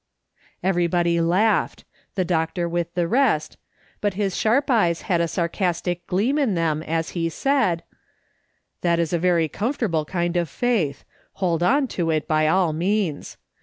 Everybody laughed, the doctor with the rest, but his sharp eyes had a sarcastic gleam in them as he said : "That is a very comfortable kind of faith; hold on to it by all means.